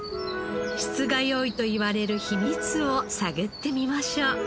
質が良いといわれる秘密を探ってみましょう。